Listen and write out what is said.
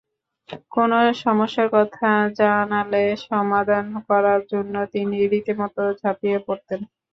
কোনো সমস্যার কথা জানালে সমাধান করার জন্য তিনি রীতিমতো ঝাঁপিয়ে পড়তেন।